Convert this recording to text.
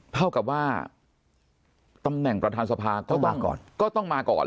เท่ากับว่าตำแหน่งประธานสภาก็มาก่อนก็ต้องมาก่อน